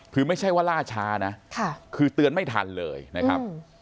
คือไม่ใช่ว่าล่าช้านะคือเตือนไม่ทันเลยนะครับ